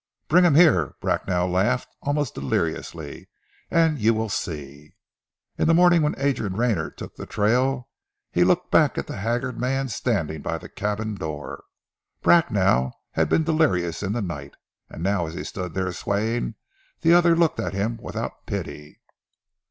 Bring him here," Bracknell laughed almost deliriously, "and you will see." In the morning when Adrian Rayner took the trail, he looked back at the haggard man standing by the cabin door. Bracknell had been delirious in the night, and now as he stood there swaying, the other looked at him without pity.